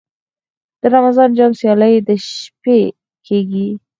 د رمضان جام سیالۍ د شپې کیږي.